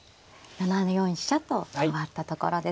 ７四飛車と回ったところです。